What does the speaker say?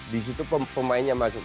di situ pemainnya masuk